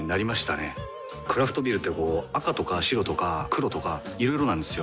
クラフトビールってこう赤とか白とか黒とかいろいろなんですよ。